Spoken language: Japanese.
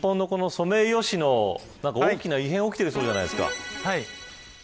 日本の、このソメイヨシノ何か大きな異変が起きているそうじゃないですか。